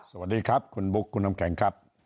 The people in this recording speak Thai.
สวัสดีครับคุณบุ๊คคุณน้ำแข็งครับ